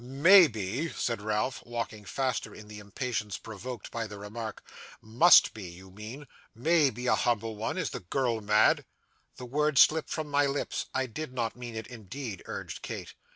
'May be!' said Ralph, walking faster, in the impatience provoked by the remark; 'must be, you mean. May be a humble one! Is the girl mad?' 'The word slipped from my lips, I did not mean it indeed,' urged Kate.